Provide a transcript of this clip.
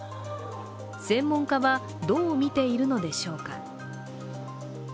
専門家は、どう見ているのでしょうか。